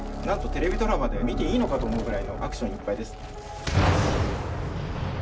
なんとテレビドラマで見ていいのか？と思うくらいのアクションいっぱいです。